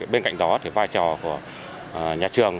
bên cạnh đó vai trò của nhà trường